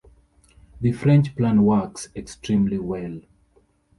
The French plan works extremely well.